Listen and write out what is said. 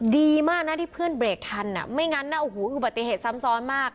ดีมากนะที่เพื่อนเบรกทันไม่งั้นนะโอ้โหอุบัติเหตุซ้ำซ้อนมาก